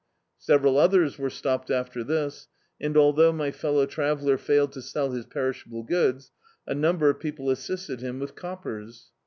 Several others were stopped after this, and al though my fellow traveller failed to sell his perish able goods, a' number of people as^ted bim with coppers.